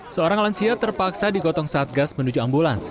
seorang lansia terpaksa digotong satgas menuju ambulans